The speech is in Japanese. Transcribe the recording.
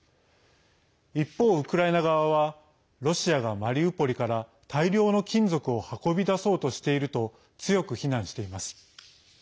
一方、ウクライナ側はロシアがマリウポリから大量の金属を運び出そうとしていると強く非難しています。